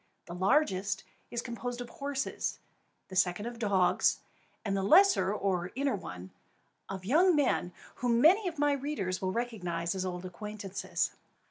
The largest is composed of horses, the second of dogs, and the lesser or inner one, of young men, whom many of my readers will recognise as old acquaintances.